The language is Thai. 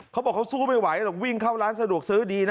เขาบอกเขาสู้ไม่ไหวหรอกวิ่งเข้าร้านสะดวกซื้อดีนะ